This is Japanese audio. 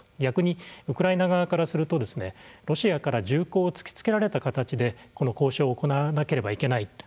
逆にウクライナ側からするとロシアから銃口を突きつけられた形でこの交渉を行わなければいけない